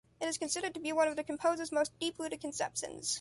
It is considered to be one of the composer's most deep-rooted conceptions.